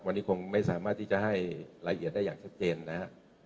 วันนี้คงไม่สามารถที่จะให้รายละเอียดได้อย่างชัดเจนนะครับ